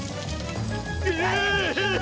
うわ。